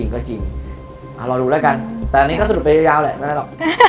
ก็จริงรอดูแล้วกันแต่อันนี้ก็สรุปไปยาวแหละไม่ได้หรอก